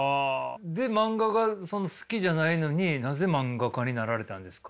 で漫画が好きじゃないのになぜ漫画家になられたんですか？